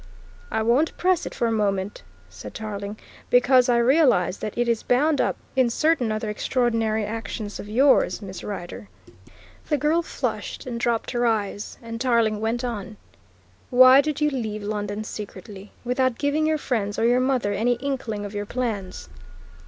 "I won't press it for a moment," said Tarling, "because I realise that it is bound up in certain other extraordinary actions of yours, Miss Rider." The girl flushed and dropped her eyes, and Tarling went on: "Why did you leave London secretly, without giving your friends or your mother any inkling of your plans?"